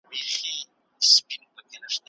تبعیض انساني کرامت ته سپکاوی دی